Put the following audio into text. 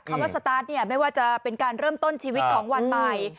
คำว่าสตาร์ทเนี่ยไม่ว่าจะเป็นการเริ่มต้นชีวิตของวันใหม่